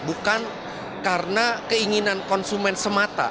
bukan karena keinginan konsumen semata